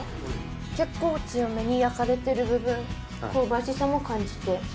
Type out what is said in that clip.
結構強めに焼かれてる部分香ばしさも感じて。